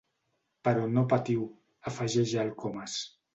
Però no patiu —afegeix el Comas—.